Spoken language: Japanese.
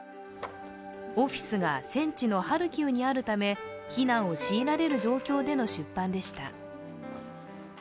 オフィスが戦地のハルキウにあるため避難を強いられる状況での出版でした。